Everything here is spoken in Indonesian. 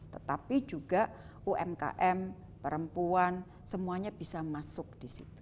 tetapi juga umkm perempuan semuanya bisa masuk disitu